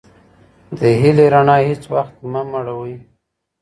د هیلې رڼا هیڅ وختمه مړوئ.